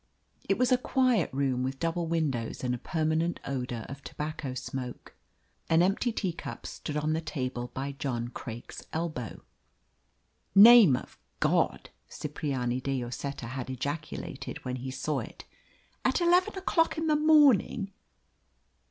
It was a quiet room, with double windows and a permanent odour of tobacco smoke. An empty teacup stood on the table by John Craik's elbow. "Name of God!" Cipriani de Lloseta had ejaculated when he saw it. "At eleven o'clock in the morning!"